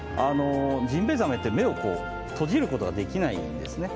ジンベエザメって目を閉じることができないんですね。